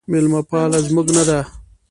میلمه پاله زموږ نه ده